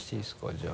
じゃあ。